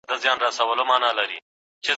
نور په دې شین سترګي کوږ مکار اعتبار مه کوه